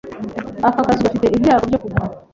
Aka kazu gafite ibyago byo kugwa.